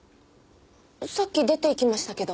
さっき出ていきましたけど。